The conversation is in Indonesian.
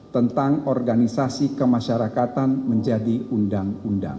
tentang organisasi kemasyarakatan menjadi undang undang